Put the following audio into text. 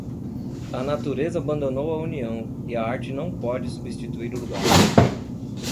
A natureza abandonou a união e a arte não pode substituir o lugar.